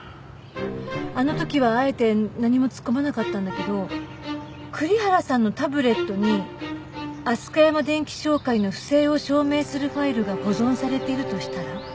あの時はあえて何も突っ込まなかったんだけど栗原さんのタブレットにアスカヤマ電器商会の不正を証明するファイルが保存されているとしたら？